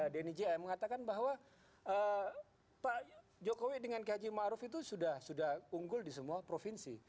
dnijm mengatakan bahwa pak jokowi dengan kejimahruf itu sudah unggul di semua provinsi